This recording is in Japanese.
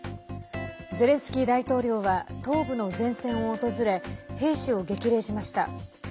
ゼレンスキー大統領は東部の前線を訪れ兵士を激励しました。